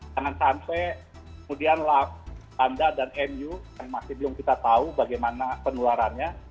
jangan sampai kemudian tanda dan mu yang masih belum kita tahu bagaimana penularannya